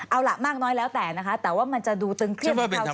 เอาล่ะมากน้อยแล้วแต่นะคะแต่ว่ามันจะดูตึงเคลื่อนเก่าที่แล้วไหม